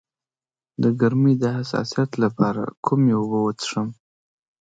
د ګرمۍ د حساسیت لپاره کومې اوبه وڅښم؟